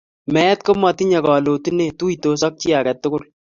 Meet komatinye kalotunet, tuitos ak chi age tugul.